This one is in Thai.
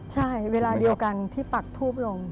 ใช่เวลาเดียวกันที่ปักทูบลง